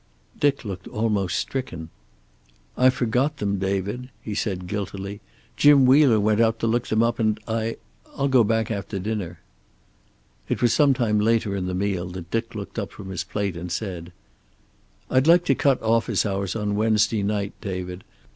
Dick looked almost stricken. "I forgot them, David," he said guiltily. "Jim Wheeler went out to look them up, and I I'll go back after dinner." It was sometime later in the meal that Dick looked up from his plate and said: "I'd like to cut office hours on Wednesday night, David.